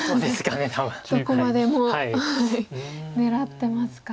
どこまでも狙ってますか。